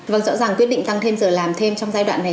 vâng rõ ràng quyết định tăng thêm giờ làm thêm trong giai đoạn này